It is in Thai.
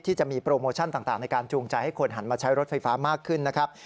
จะมีโปรโมชั่นต่างในการจูงใจให้คนหันมาใช้รถไฟฟ้ามากขึ้นนะครับ